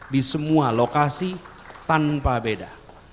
di semua lokasi tanpa beda